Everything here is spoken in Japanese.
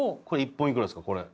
これ１本いくらですか？